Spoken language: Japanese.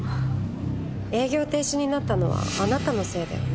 営業停止になったのはあなたのせいだよね？